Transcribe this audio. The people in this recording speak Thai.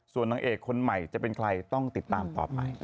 ส่วนนางเอกคนใหม่จะเป็นใครต้องติดตามต่อไป